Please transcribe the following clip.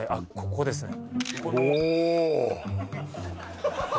ここですね